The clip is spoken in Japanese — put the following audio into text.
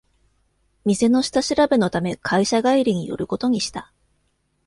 店の下調べのため会社帰りに寄ることにした